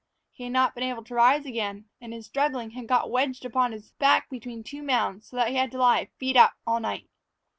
He had not been able to rise again, and, in struggling had got wedged upon his back between two mounds, so that he had to lie, feet up, all night.